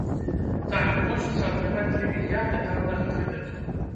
Так, хочацца атрымаць тры мільярды таннага крэдыту.